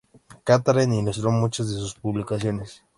Catharine ilustró muchas de sus publicaciones.